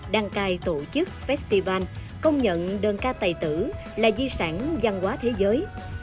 đăng cai tổ chức festival công nhận đơn ca tài tử là di sản văn hóa thế giới